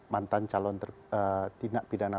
mantan calon tindak pidana